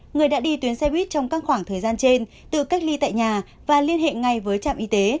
người đã đi tuyến xe buýt trong các khoảng thời gian trên tự cách ly tại nhà và liên hệ ngay với trạm y tế